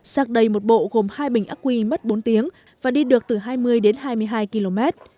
sạc đầy một bộ gồm hai bình ác quy mất bốn tiếng và đi được từ hai mươi đến hai mươi hai km